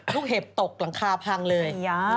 เห็บตกหลังคาพังเลย